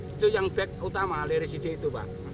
itu yang bag utama liriside itu pak